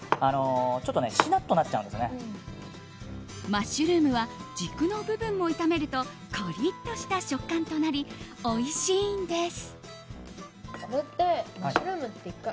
マッシュルームは軸の部分も炒めるとコリッとした食感となりおいしいんです。